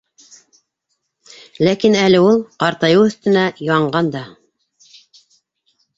Ләкин әле ул, ҡартайыу өҫтөнә, янған да.